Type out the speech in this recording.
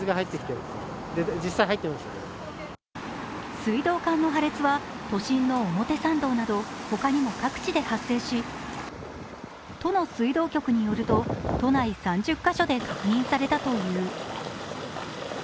水道管の破裂は都心の表参道など他にも各地で発生し都の水道局によると都内３０カ所で確認されたという。